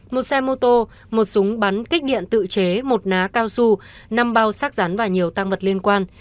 một xe mô tô một súng bắn kích điện tự chế một ná cao su năm bao xác rắn và nhiều tăng vật liên quan